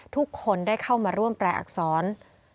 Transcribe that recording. ทุกคนได้เข้ามาร่วมแปลอักษร